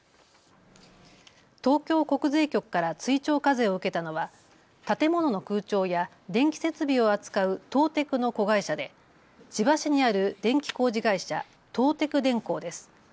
東京国税局から追徴課税を受けたのは建物の空調や電気設備を扱う東テクの子会社で千葉市にある電気工事会社、東テク電工です。